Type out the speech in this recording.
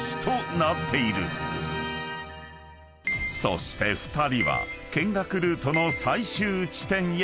［そして２人は見学ルートの最終地点へ］